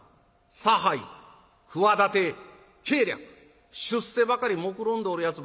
差配企て計略出世ばかりもくろんでおるやつばっかりでな